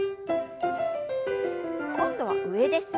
今度は上です。